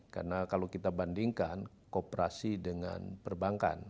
karena kalau kita bandingkan kooperasi dengan perbankan